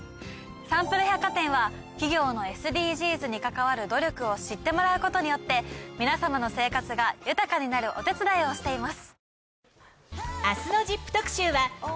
サンプル百貨店は企業のＳＤＧｓに関わる努力を知ってもらうことによって皆さまの生活が豊かになるお手伝いをしています。